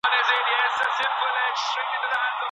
چې ځوان نقاش په کومه ولاړه؟